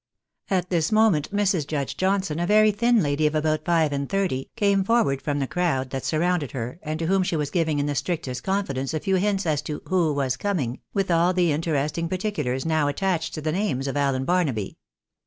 At this moment Mrs. Judge Johnson, a very thin lady of about five and thirty, came forward from the crowd that surrounded her, and to whom she was giving in the strictest confidence a few hints as to loJio was coming^ with all the interesting particulars now attached to the names of Allen Barnaby.